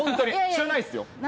知らないですよ。